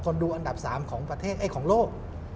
ดูอันดับ๓ของประเทศของโลก